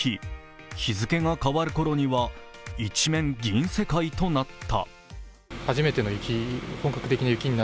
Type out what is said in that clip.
日付が変わるころには一面、銀世界となった。